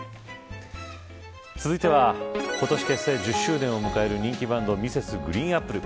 続いては、今年結成１０周年を迎える人気バンドＭｒｓ．ＧＲＥＥＮＡＰＰＬＥ